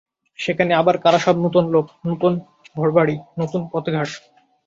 সেখানে আবার কারা সব নূতন লোক, নূতন ঘরবাড়ি, নূতন পথঘাট।